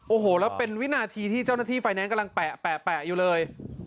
โอ้โหแล้วเป็นวินาทีที่เจ้าหน้าที่ไฟแนนซ์กำลังแปะอยู่เลย